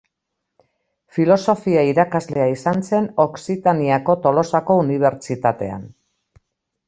Filosofia-irakaslea izan zen Okzitaniako Tolosako Unibertsitatean.